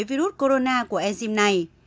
virus corona của enzim này